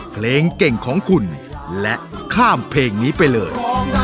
เพลงเก่งของคุณและข้ามเพลงนี้ไปเลย